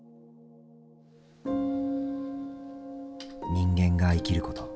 人間が生きること